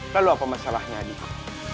lalu apa masalahnya adikku